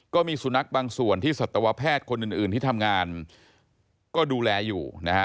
ก็มีสุนัขบางส่วนที่สัตวแพทย์คนอื่นที่ทำงานก็ดูแลอยู่นะฮะ